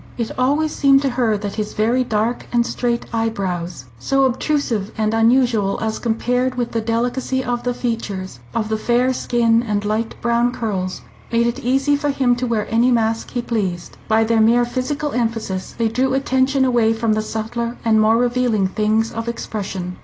It always seemed to her that his very dark and straight eyebrows, so obtrusive and unusual as compared with the delicacy of the features, of the fair skin and light brown curls, made it easy for him to wear any mask he pleased. By their mere physical emphasis they drew attention away from the subtler and more revealing things of expression.